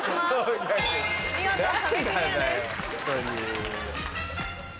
見事壁クリアです。